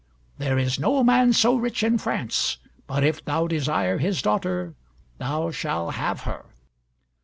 There is no man so rich in France, but if thou desire his daughter, thou shall have her."